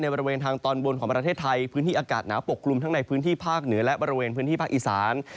บริเวณทางตอนบนของประเทศไทยพื้นที่อากาศหนาวปกกลุ่มทั้งในพื้นที่ภาคเหนือและบริเวณพื้นที่ภาคอีสาน